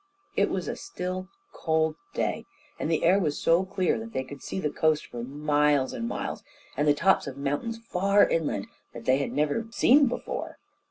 It was a still, cold day, and the air was so clear that they could see the coast for miles and miles, and the tops of mountains far inland that they had never seen before.